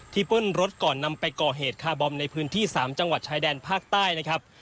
ปล้นรถก่อนนำไปก่อเหตุคาร์บอมในพื้นที่๓จังหวัดชายแดนภาคใต้นะครับ